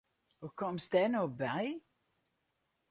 Hoe komst dêr no by?